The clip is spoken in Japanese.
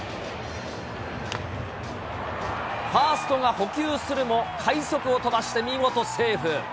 ファーストが捕球するも、快足を飛ばして見事セーフ。